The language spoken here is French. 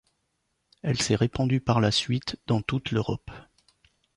Elle s'est répandue par la suite dans toute l'Europe.